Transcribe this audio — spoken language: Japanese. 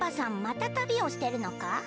またたびをしてるのか？